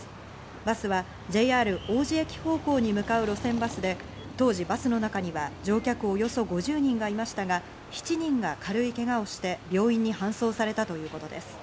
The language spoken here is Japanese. バスはＪＲ王子駅方向に向かう路線バスで当時、バスの中には乗客およそ５０人がいましたが、７人が軽いけがをして病院に搬送されたということです。